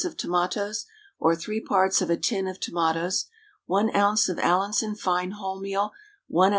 of tomatoes (or three parts of a tin of tomatoes), 1 oz. of Allinson fine wholemeal, 1 oz.